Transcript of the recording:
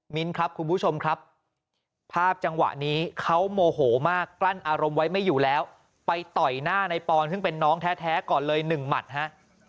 ครับคุณผู้ชมครับภาพจังหวะนี้เขาโมโหมากกลั้นอารมณ์ไว้ไม่อยู่แล้วไปต่อยหน้าในปอนซึ่งเป็นน้องแท้ก่อนเลยหนึ่งหมัดฮะ